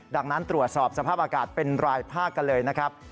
ดังนั้นตรวจสอบสภาพอากาศเป็นรายภาคกันเลยนะครับ